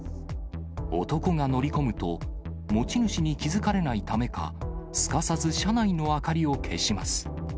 男が乗り込むと、持ち主に気付かれないためか、すかさず車内の明かりを消します。